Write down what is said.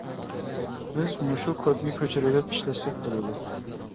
بىز مۇشۇ كودنى كۆچۈرۈۋېلىپ ئىشلەتسەك بولىدۇ.